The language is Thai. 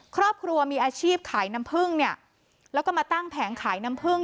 ครอบครัวมีอาชีพขายน้ำพึ่งเนี่ยแล้วก็มาตั้งแผงขายน้ำผึ้ง